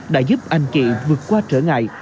đã giúp anh chị vượt qua trở ngại